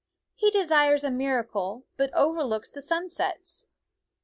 He desires a mira cle, but overlooks the sunsets.